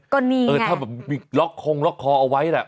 ก็นี่เออถ้าแบบมีล็อกคงล็อกคอเอาไว้แหละ